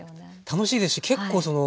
楽しいですし結構その。